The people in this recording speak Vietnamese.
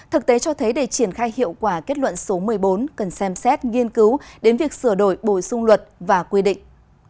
thực tế cho thấy để triển khai hiệu quả kết luận số một mươi bốn cần xem xét nghiên cứu đến việc sửa đổi bổ sung luật và quy định